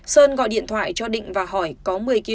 sơn gọi điện thoại cho định và hỏi có một mươi kg